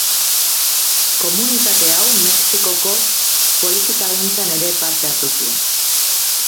Komunitate hau Mexikoko politikagintzan ere parte hartu zuen.